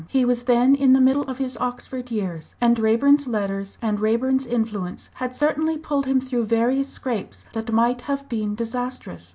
He was then in the middle of his Oxford years, and Raeburn's letters and Raeburn's influence had certainly pulled him through various scrapes that might have been disastrous.